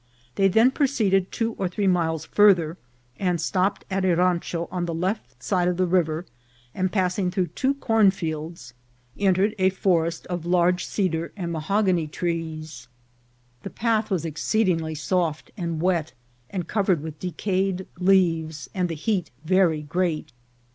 They then proceeded two or three miles farther, and stopped at a rancho on the left side of the river, and passing through two cornfields, entered a forest of large cedar MONUMENT AT QUlRIGUA ANCIENT MOiVUMENTS. 121 and mahogany trees. The path was exceedingly soft and wet, and covered with decayed leaves, and the heat very great.